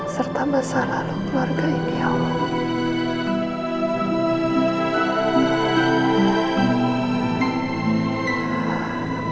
serta masa lalu keluarga ini allah